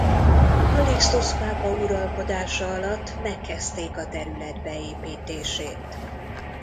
Kallixtusz pápa uralkodása alatt megkezdték a terület beépítését.